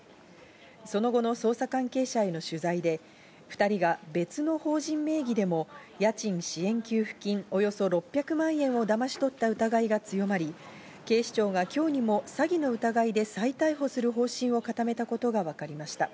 その後の捜査関係者への取材で２人が別の法人名義でも家賃支援給付金、およそ６００万円をだまし取った疑いが強まり、警視庁が今日にも詐欺の疑いで再逮捕する方針を固めたことがわかりました。